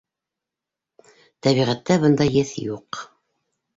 Тәбиғәттә бындай еҫ юҡ.